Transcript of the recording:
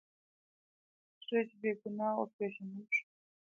هونټریج بې ګناه وپېژندل شو.